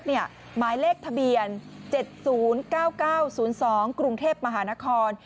หมายเลขทะเบียน๗๐๙๙๐๒กรุงเทพมหานคร